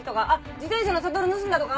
自転車のサドル盗んだとか？